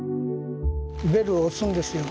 ベルを押すんですよ